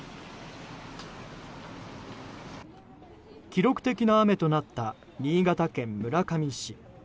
記録的な雨となった新潟県村上市。